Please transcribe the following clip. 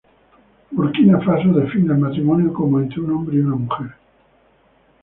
Burkina Faso define el matrimonio como entre un hombre y una mujer.